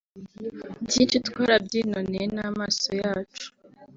byinshi twarabyinoneye n’ amaso yacu